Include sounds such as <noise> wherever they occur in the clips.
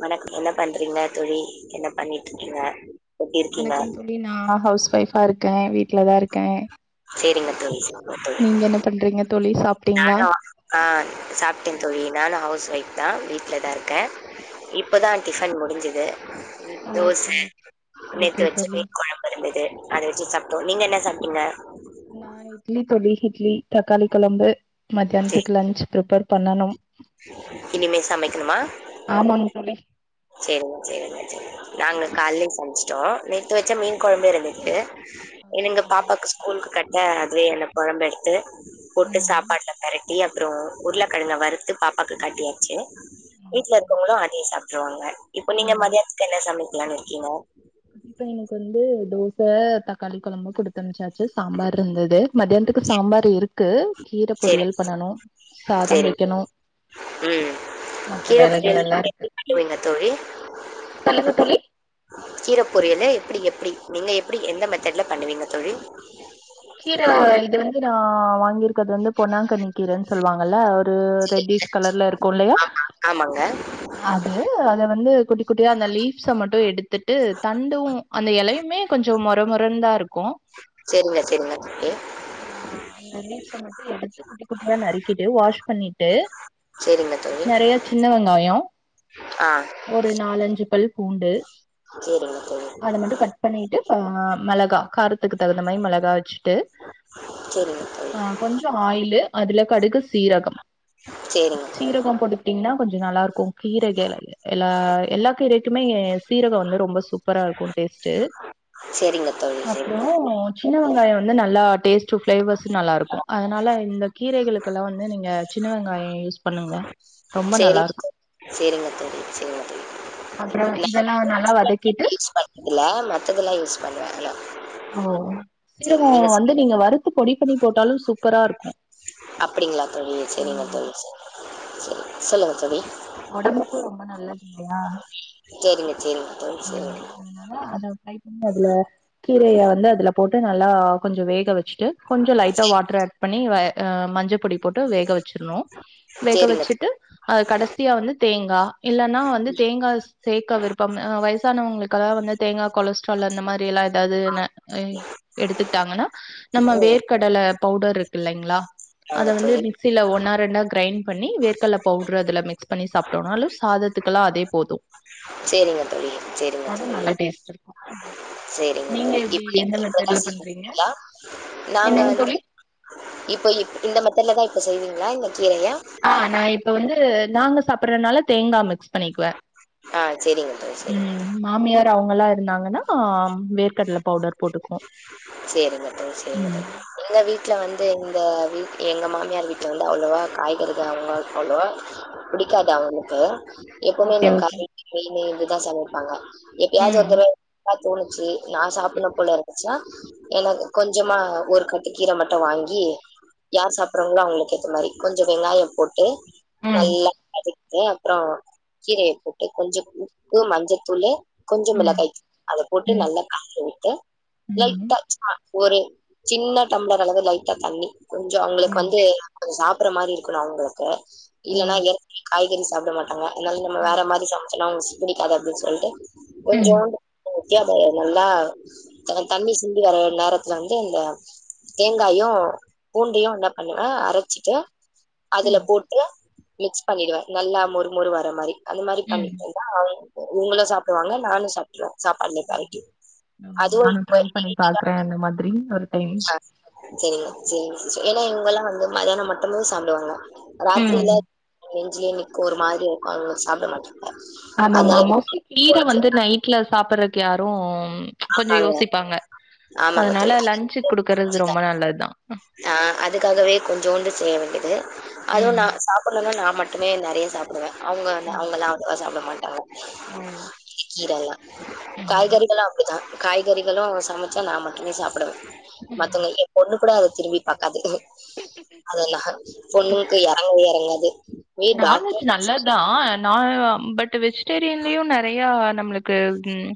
வணக்கம் என்ன பண்றீங்க தோழி என்ன பண்ணிட்டுருக்கீங்க வணக்கம் தோழி நா ஹவுஸ் ஒய்ஃபா இருக்க வீட்டு்லதா இருக்க சேரிங்க தோழி செரிங்க தோழி றிங்க தோழி சாப் நானு ஆ சாப்ட்டே தோழி நானு ஹவுஸ் ஒய்ஃப் தா வீட்ல தா இருக்க இப்பதா டிஃபன் முடிஞ்சுது தோச ஓகே ஓகே நேத்து ஓகே வச்சு தோழி மீன் கொழம் இருந்தது அத வச்சு சாப்ட்டோ நீங்க என்ன சாப்ட்டீங்க நா இட்லி தோழி இட்லி தக்காளி கொழம்பு சரி மத்தியான்த்துக்கு லன்ச் ப்ரிபேர் பண்ணனு இனிமே சமைக்கணுமா ஆமாங்தோழி சேரிங்க சேரிங்க சேரி நாங்க கால்லே சமச்ட்டோ நேத்து வச்ச மீன் குழம்பு இருந்துது ஓகே என்னங்க தோழி பாப்பாக்கு ஸ்கூல்க்கு கட்ட அதுவே அந்த கொழம்பெட்த்து போட்டு ம் சாப்பாட்ல பெரட் டி அப்றோ உருளக்கழங்க வறுத்து பாப்பாக்கு கட்டியாச்சு வீட்ல ஓகே ஓகே. இருக்கவ்ங்குளு அதே சாப் ட்ருவாங்க இப்ப நீங்க ம் மதியானத்துக்கு என்ன சமைக்லான் இருக்கீங்க பையனுக் வந்து தோச தக்காளி கொழம்பு குடுத்தன்ம்ச்சாச்சு சாம்பாருந்தது மதியான்த்துக்கு சாம்பாரு இருக்கு கீர சேரி, பொரியல் பண்ணணு சாதம் சேரிங்க. வைக்கணு ம். மத்த கீர பொரியல் வேலைகள் எல்லா நீங்க இருக்கு எப்டி ம் பண்ணுவீங்க தோழி? சொல்லுங்க தோழி கீர பொரியலு எப்புடி எப்டி நீங்க எப்டி எந்த மெத்தட்ல பண்ணுவீங்க தோழி கீர இது வந்து நா வாங்கிருக்கது வந்து பொன்னாங்கன்னி கீரன் சொல்வாங்கல து சரிங்க. ரெட்டிஷ் கலர்ல இருக்குலையா ஆமா, ஆமாங்க. அது அத வந்து குட்டி குட்டியா அந்த லீஃப்ஸ மட்டு எடுத்துட்டு தண்டுவு அந்த எலையுமே கொஞ்சோ மொர மொரன்தா இருக்கு செரிங்க செரிங்க தோழி அ அந்த லீஃப்ஸ மட்டு எடுத்து குட்டி குட்டியா நறுக்கிட்டு வாஷ் பண்ணிட்டு சேரிங்க தோழி. நெறையா சின்ன வெங்காயோ ஆ. ஒரு நாலஞ்சு பல் பூண்டு சரிங்க தோழி அத மட்டு கட் பண்ணிட்டு ஆ மெளகா காரத்துக்கு தகுந்த மாரி மெளகா வச்சுட்டு சரிங்க தோழி ஆ கொஞ்சோ ஆயிலு அதுல கடுகு சீரகம் சரிங்க தோழி சீரகோ போட்டு டிங்னா கொஞ்சு நல்லாருக்கு கீரேக எல்லா எல்லா கீரைக்குமே சீரகோ வந்து ரொம்ப சூப் பரா இருக்கு டேஸ்ட்டு சரிங்க தோழி அப்றோ சரிங்க சின்ன வெங்காயோ வந்து நல்லா டேஸ்ட்டு ஃப்ளேவர்ஸ் நல்லா இருக்கு அதனால இந்த கீரைகளுக்கெலா வந்து நீங்க சின்ன வெங்காயோ யூஸ் பண்ணுங்க ரொம்ப நல்லாருக் செரிங்க தோழி செரிங்க தோழி இதெல்லா நல்லா வதக்கிட்டு <inaudible> ஸ் பண் தில்ல மத்தெல்லா யூஸ் பண்ணுவ எல்லா ஓ சீரகோ வந்து நீங்க வறுத்து பொடி பண்ணி போட்டாலு சூப்பரா இருக்கு அப்டிங்ளா தோழி செரிங்க ம் தோழி செர் சொல்லுங்க தோழி ஒடம்புக்கூ ரொம்ப நல்லது இல்லையா சேரிங்க சேரிங் அ அதுனால அத ட்ரை பங் அதுல கீரைய வந்து அதுல போட்டு நல்லா கொஞ்சோ வேக வச்சுட்டு கொஞ்சோ லைட்டா வாட்ரு ஆட் பண்ணி வே மஞ்ச பொடி போட்டு வேக வச்சிர்ணு வேக சரிங்க வச்சுட்டு அது கடசியா வந்து தேங்கா இல்லனா வந்து தேங்கா சேக்க விருப்பம்மு அ வய்சானவ்ங்ளுக்கலா வந்து தேங்கா கொலஸ் ட்ரால் அந்த மாரி எல்லா எதாது ந எய் தோழி எடுத்துக்ட்டாங்கனா நம்ம ம் வேர்க் கடல பவ்டர்ருக் இல்லைங்ளா அத வாங்க வந்து தோழி மிக்ஸில ஒன்னா ரெண்டா க்ரைண் பண்ணி வேர்க்கல்ல பவ்ட்ரு அதுல மிக்ஸ் பண்ணி சாப்ட்டோனாலு சாதத்துக்குலா அதே போது செரிங்க தோழி செரிங்க அது தோழி நல்லா டேஸ்ட் இருக்கு செரிங்க நீங்க தொழி எப்டி இப்ப எந்த நீங்க இப்டிதா மெத்தட்ல பண்றீங்க செய்வீங்களா நாங்க என்னங்க வந்து தோழி இப்ப இந்த மெத்தட்லதா இப்ப செய்வீங்ளா இந்த கீரைய ஆ நா இப்ப வந்து நாங்க சாப்புறனால தேங்கா மிக்ஸ் பண்ணிக்வ ஆ சரிங்க தோழி சரிங்க ம் மாமியார் அவ்ங்கலா இருந்தாங்கனா ஆ வேர்க் கட்ல பவ்டர் போட்டுக்குவோ சேரிங்க தோழி, சேரிங்க ம் தோழி. எங்க வீட்ல வந்து இந்த வீட் எங்க மாமியார் வீட்ல வந்து அவ்ளவா காய்கறிக அவ்ளவ்க் அவ்ளவா புடிக்காது அவுங்களுக்கு எப்புமே ஓகே இந்த ஓகே கறி மீனு இதுதா சமைப்பாங்க எப்பியாவ்து ஒரு ம் தடவ கா தோணுச்சி நா சாப்புட்னு போல இருந்துச்னா எனக் கொஞ்சுமா ஒரு கட்டு கீர மட்டு வாங்கி யார் சாப்றாங்ளோ அவுங்ளுக்கேத்த மாரி கொஞ்ச வெங்காயோ போட்டு ம் நல்லா வதக்குவே அப்றோ கீரய போட்டு கொஞ்சோ உப்பு மஞ்சத்தூளு கொஞ்சோ ம் மிளகாய்த் தூள் அத போட்டு ம் நல்லா தூவிட்டு ம் லைட்டா சும்மா ஒரு சின்ன டம்ளர் அளவு லைட்டா தண்ணி கொஞ்சோ அவுங்களுக் ம் வந்து கொஞ்சோ சாப்பிற மாரி இருக்கணு அவுங்களுக்கு ஓ இல்லனா எர் காய்கறி சாப்ட மாட்டாங்க அதனால நம்ம வேற ம் மாரி சமைச்சோனா அவுங்புடிக்காது அப்டின் சொல்ட்டு ம் கொஞ்சோண்டு ம் கேபெ நல்லா அந்த தண்ணி சிந்தி வர்ற நேரத்ல வந்து இந்த தேங்காயு பூண்டயு தக்காளியு ஆ அரச்சிட்டு அதுல ம் போட்டு மிக்ஸ் பண்ணிடுவே நல்லா மொறு மொறு வர மாரி அந்த மாரி பண்ணி ம் தந்தா இவ்ங்களு சாப்டுவாங்க நானு சாப்ட்றுவே சாப்பாடுலே நானு ட்ரை பண்ணி பாக்குறே அந்த மாதிரி ஒரு டைம் செரிங்க செரிங் சிஸ்டர் ஏனா இவுங்கெல்லா வந்து மதியான மட்டுந்தா சாப்டுவாங்க ம் ராத்ரில நெஞ்சில்யே நிக்கு ஒரு மாரி இக்கு அவ்ங்க சாப்ட மாட்டாங்க ஆமாமா அதனால மோஸ்ட்லி கீர கொஞ்சம் வந்து நைட்ல சாப்றக்கு யாரு கொஞ்சோ ஆமாங்க, யோசிப்பாங்க ஆமாங்க தோழி. அதனால லன்சுக் குடுக்கறது ரொம்ப நல்லதுத்தா ஆ அதுக்காகவே கொஞ்சோண்டு செய்ய வேண்டியது அதுவு ம் நா சாப்புட்லன்னா நா மட்டுமே நெறய சாப்பிடுவே அவுங்க ந ம் அவுங்கல்லா அவ்ளவா சாப்ட மாட்டாங்க ஓ கீரல்லா காய்கறிகலா அ காய்கறிகளு சமச்சா நா மட்டுமே சாப்டனு மத்தவ்ங்க எ பொண்ணு குட அத திரும்பி பாக்காது ம் அதெல்லா பொண்ணுங்கு எறங்வே எறங்காது வீ டாக்ட்ரு த்தா நா பட் வெஜ்டேரியன்லயு நெறைய நம்ளுக்கு ம்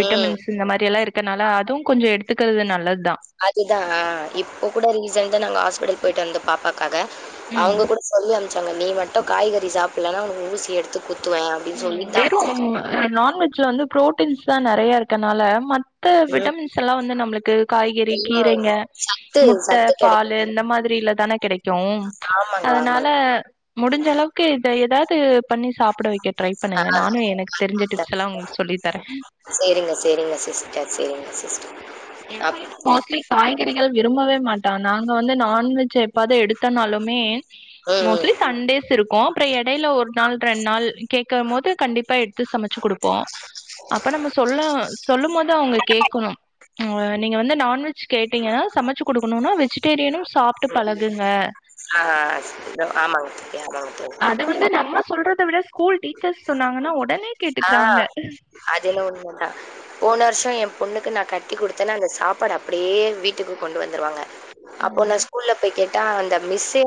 ம். இந்த மாரியெல்லா இருக்கர்னால அதுவு கொஞ்சோ எடுத்துக்கிற்து நல்லத்தா அதுதா அ இப்ப கூட ரீசன்டா நாங்க ஹாஸ்பெடல் போயிட் வந்த பாப்பாக்காக ம் அவுங்க கூட சொல்லி அம்ச்சாங்க நீ மட் டு காய்கறி சாப்லனா உனுகு ஊசி எடுத்து குத்துவே அப்டின் சொல்லிட்தா வெறு நான்வெஜ்ல வந்து ப்ரோட்டீன்ஸ் தா நெறய இருக்கனால மட் து ம். விட்டமின்ஸ் எல்லா வந்து நம்ளுக்கு காய்கறி எல்லாம் கீரைங்க சத்து முட்ட சத்து பாலு கிடைக்குது. இந்த மாதிரில தான கெடை க்கும் ஆமாங்க, அதனால ஆமாங்க. முடிஞ்ச அளவுக்கு இத ஏதாவ்து பண்ணி சாப்ட வைக்க ட்ரை ஆ பண்ணுங்க நானு எனக்கு தெரிஞ்ச டிப்ஸ் எல்லா உங்களுக் சொல்லி தரே செரிங்க செரிங்க சிஸ்டர் செரிங்க சிஸ்டர் ஏ அப் பையனு மோஸ்ட்லி காய்கறிகள் விரும்பவே மாட்டா நாங்க வந்து நான்வெஜ் எப்பாவ்து எடுத்தனாலுமே ம், மோஸ்லி சன்டேஸ் இருக்கு அப்றோ எடைல ஒரு நாள் ரெண் நாள் கேக்கம்மோது கண்டிப்பா எட்த்து சமச்சு குடுப்போ அப்ப நம்ம சொல்ல சொல்லும் போது அவுங்க கேட்கணும் அ நீங்க வந்து நான்வெஜ் கேட்டீங்க சமைச்சு குடுக்கணுனா வெஜிடேரியனு சாப் ம் ஆ அ தோ ஆமாங்க ய ஆமாங்க ம் அது வந்து நம்ம சொல்றத விட ஸ்கூல் டீச்சர்ஸ் சொன்னாங்கன்னா உடனே ஆ. கேட்டுக்கிறாங்க அது என்னவோ உண்மதா போன வருஷோ என் பொண்ணுக்கு நா கட்டி குடுத்தன்னா அந்த சாப்பாடு அப்டியே வீட்டுக்கு கொண்டு வந்துருவாங்க அப்போ நா ம் ஸ்கூல்ல போய் கேட்டா அந்த மிஸ்ஸே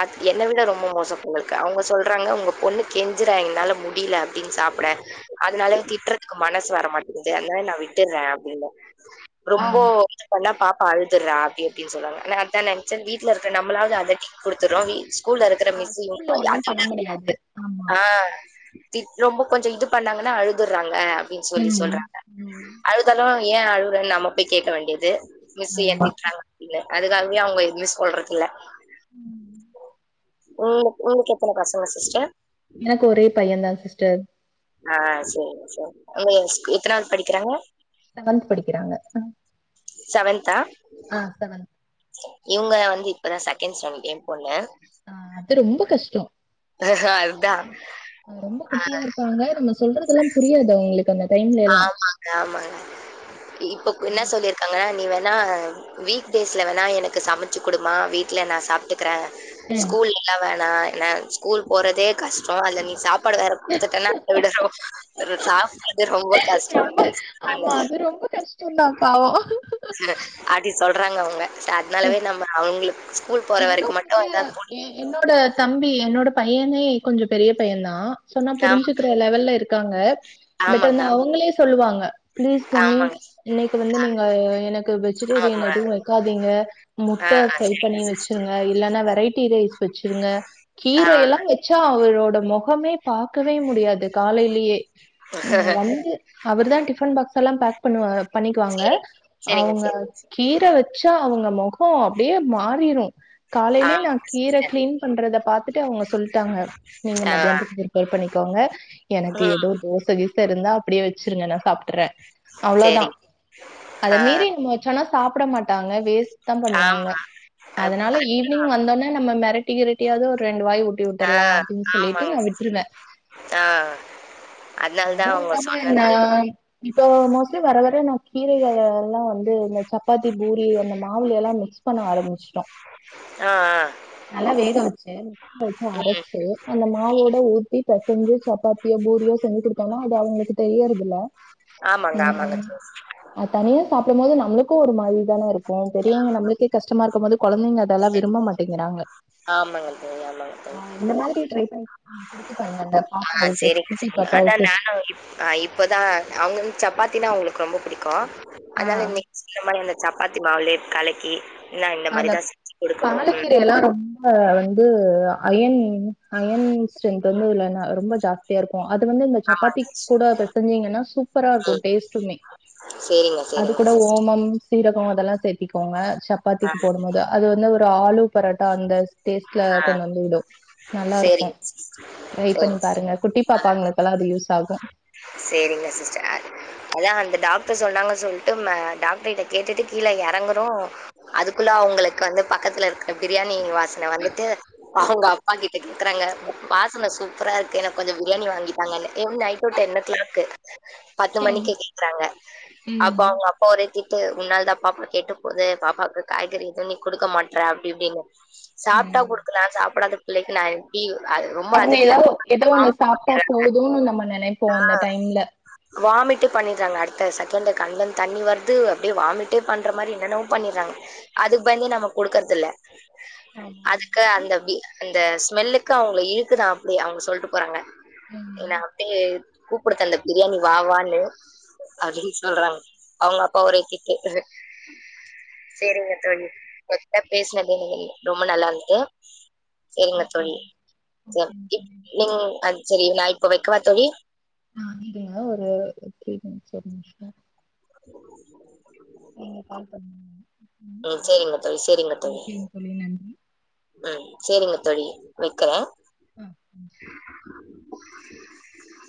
அ என்ன விட ரொம்ப மோசோ போலருக்கு அவுங்க சொல்றாங்க உங்க பொண்ணு கெஞ்சற என்னால முடில அப்டின்னு சாப்பட அதனால திட்றதுக்கு மனசு வரமாட்டிது அதனா நா விட்டர்ற அப்டின்ப ரொம்போ பண்ணா பாப்பா அழுதுர்றா அப்டி அப்டினு சொல்றாங்க நா அதா நெனைச்சே வீட்ல இருக்க நம்மளாது அதட்டி குடுத்துர்றோ ஸ்கூல்ல இருக்கற ஆ மிஸ்ஸயு ஸ்கூல்ல <unintelligible> ஒண்ணும் அதுங்க பண்ண முடியாது ஆமா ஆ தி ரொம்ப கொஞ்சோ இது பண்ணாங்கன்னா அழுதுர்றாங்க அப்டின்னு ம் சொல்லி சொல்றாங்க ம் அழுதாலு ஏன் அழுவறன்னு நாம போய் கேட்க வேண்டிது மிஸ் ஏன் ஆமா திட்றாங்க அப்டின்னு அதுக்காகவே அவுங்க எதுமே சொல்றது இல்ல ம் உங்க உங்களுக்கு எத்தன பசங்க சிஸ்டர் எனக்கு ஒரே பையன்தா சிஸ்டர் ஆ சேரி சேரி எத்தனாவது படிக்கறாங்க செவன்த் படிக்கறாங்க செவந்த்தா ஆ செவந்த் இவங்க வந்து இப்பதா செகண்ட் ஸ்டாண்டர்ட் என் பொண்ணு அ அது ரொம்ப கஷ்டோ அதா ரொம்ப குட்டியா இருப்பாங்க நம்ம சொல்றதெல்லா புரியாது அவங்களுக்கு அந்த டைம்ல எல்லா ஆமாங்க ஆமாங்க இப்ப என்ன சொல்லிருக்காங்கனா நீ வேணா வீக் டேஸ்ல வேணா எனக்கு சமைச்சு குடுமா வீட்ல நா சாப்ட்டுக்கற ஸ்கூல்ல எல்லா வேணா ஏனா ஸ்கூல் போறதே கஷ்டோ அதுல நீ சா ப்பாடு வேற குடுத்துட்டனா அத விட <inaudible> சா ரொம்ப கஷ்டோ ரொம்ப அப்டின்னு சொன்னனால ஆஹா ந்து அப்டி சொல்றாங்க அவுங்க ச அதனாலவே நம்ம அவுங்களுக்கு ஸ்கூல் போற இவ்ளோ வரைக்கு மட்டு பெரிய எதாவது பொடி எ என்னோட தம்பி என்னோட பையனே கொஞ்சோ பெரிய பையன்தான் சொன்ன ஆமா. புரிஞ்சுக்கிற லெவல்ல இரு க்காங்க பட் ஆமாங்க. வந்து அவுங்களே சொல்லுவாங்க பிளீஸ் மம்மி ஆமாங்க. இன்னைக்கு வந்து நீங்க எனக்கு வெஜிடேரியன் ஆமா. எதுவு வெக்காதீங்க ஆ, முட்ட ஆ ஃரை பண்ணி சரிங்க சிஸ். வீச்சிருங்க இல்லனா வெரைட்டி ரைஸ் வெச்சிருங்க ஆ கீரையெல்லா வெச்சா அவரோட மொகமே பாக்கவே முடியாது காலைலயே ம் சரிங்க. ல அவருதான் டிஃபன் பாக்ஸ்ல்லா பேக் பண்ணு பண்ணிக்குவாங்க சரிங்க, அவுங்க சரிங்க. கீர வெச்சா அவுங்க முகோ அப்டியே மாறிரு ஆ காலைலயே நா கீர சிஸ்டர். கிளீன் பண்றத பாத்துட்டு அவுங்க சொல்ட்டாங்க நீங்க ஆ மத்தியானத்துக்கு ப்ரிப்பேர் பண்ணிக்கோங்க எனக்கு ம் எதோ தோச இருந்தா அப்டியே வெச்சிருங்க நா சாப்ட்டற அவ்ளோதா சரி. அத ஆ மீறி நம்ம சொன்னா சாப்ட மாட்டாங்க வேஸ்ட்தா ஆமா. பண்ணுவாங்க அப் அதனால ஈ நீங் வந்தொன்ன நம்ம மிரட்டி கிரட்டியாவது ஒரு ரெண்டு வாய் ஊட்டி ஆ, விட்டுர்லா அப்டின்னு சொல்லிட்டு ஆமாங்க. நா விட்டுருவ ஆ அதனால அதுவு தான் அவங்க இல்லமா நா சொன்னனால இப்போ மோஸ்ட்லி வர வர நா கீரைகள் எல்லா வந்து இந்த சப்பாத்தி, பூரி அந்த மா மாவுல எல்லா மிக்ஸ் பண்ண ஆரம்பிச்சுட்டோ ஆஹ் ஆஹ் நல்லா வேக வச்சு உப்பு போட்டு ம். அரச்சு அந்த மாவோட ஊத்தி பெசஞ்சு சப்பாத்தியோ பூரியோ செஞ்சு குடுத்தோன்னா அது அவங்களுக்கு தெரியறது இல்ல ஆமாங்க, ஆமாங்க உம் தோழி. அது தனியா சாப்பிடு போது நம்மளுக்கு ஒரு மாரிதானே இருக்கு ஏ பெரியவங்க நம்மளுக்கே கஷ்டமா இருக்கும்போது கொழந்தைங்க அதெல்லா விரும்ப மாட்டேங்கிறாங்க ஆமாங்க தோழி, ஆமாங்க தோழி. ஹ இந்த மாரி ட்ரை பண்ணி குடுத்து பாருங்க அந்த ஆஹ் பாப்பாவுக்கு சேரிங்க குட்டி சிஸ்டர் அதா பாப்பாவுக்கு நானு அஹ் இப்பதா அவுங்க வந்து சப்பாத்தின்னா அவுங்களுக்கு ரொம்ப பிடிக்கு ஆ அதனால இன்னைக் சொன்ன மாரி அந்த சப்பாத்தி மாவுலயே கலக்கி நான் இந்த மாரி அந்த தான் செஞ்சு குடுக்கணும். பாலக் ம். கீர எல்லா ரொம்ப வந்து அயர்ன் அயர்ன் ஸ்டரென்த் வந்து உள்ளதா ரொம்ப ஜாஸ்தி தியா இருக்கு அது வந்து இந்த சப்பாத்தி ஆமாங்க சிஸ். கூட பெசஞ்சீங்கன்னா சூப் சூப்பரா ம். இருக்கு டேஸ்ட்டுமே சரிங்க அது சரிங்க கூட சிஸ்டர். ஓமம் சீரகம் அதெல்லா சேர்த்திக்கோங்க ஆ, சப்பாத்திக்கு போடும்போது அது வந்து ஒரு ஆலூ பராட்டா அந்த டேஸ்ட்ல ஆ. கொண்டு வந்து விடு நல்லா இருக்கு சரிங்க சிஸ். ட்ரை சரிங்க. பண்ணி பாருங்க குட்டி பாப்பாங்களுக்குல்லா அது யூஸ் ஆகு சேரிங்க சிஸ்டர் அதா அந்த டாக்டர் சொன்னாங்கன்னு சொல்லிட்டு டாக்டர்கிட்ட கேட்டுட்டு கீழே எறங்குறோ அதுக்குள்ள அவுங்களுக்கு வந்து பக்கத்துல இருக்கற பிரியாணி வாசன வந்துட்டு அவுங்க அப் குடிக்க கேக்குறாங்க வாசன சூப்பரா இருக்கு எனக்கு கொஞ்சோ பிரியாணி வாங்கித் தாங்கன்னு <unintelligible> நைட்டூ டென் ஓ கிளாக்கு பத்து ம் மணிக்கு கேக்கறாங்க ம் அப்போ அவுங்க அப் அப்ப ஒரே திட்டு உன்னால தா பாப்பா கேட்டு போது பாப்பாவுக்கு காய்கறி எதுவு நீ குடுக்க மாட்றே அப்பிடி இப்பிடின்னு சாப்ட்டா ம் குடுக்கலா சாப்பிடாத பிள்ளைக்கு நா என் இ அது ரொம் அவங்க எதோ ஏதோ ஒண்ணு சாப்ட்டா போதுன்னு நம்ம நெனைப்போ அந்த டைம்ல வாமிட்டே பண்ணிட்டாங்க அடுத்த செகண்ட்ல கண்லருந்து தண்ணி வருது அப்படியே வாமிட்டே பண்ற மாரி என்னென்னவோ பண்ணிர்றாங்க அதுக்கு பயந்தே நம்ம குடுக்றது இல்ல ஆமா அதுக்கு அந்த பி அந்த ஸ்மெல்லுக்கு அவுங்கள இழுக்குதா அப்பிடி அவுங்க சொல்லிட்டு போறாங்க ம் என்ன அப்பிடியே கூப்பிடுதளு பிரியாணி வா வான்னு அப்பிடின்னு சொல்றாங்க அவுங்க அப்பா ஒரே திட்டு சேரிங்க தோழி உங்க கிட்ட பேசுனது ரொம்ப நல்லா இருந்துது சேரிங்க ஓகே தோழி ஓகேங்க தோழி நீ சேரி நா இப்ப வக் க்கவா தோழி நா இன்னக்கி ஒரு த்ரீ டைம்ஸ் ஒரு நீங்க கால் பண்ணுங்க ஆஹ் சேரிங்க தோழி சேரிங்க தோழி ஆ சேரிங்க தோழி வக்கிறே ம்ம்